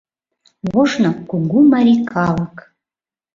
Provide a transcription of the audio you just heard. Ожно кугу Марий калык